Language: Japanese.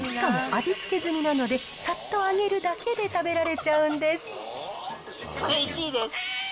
しかも味付け済みなので、さっと揚げるだけで食べられちゃうんです。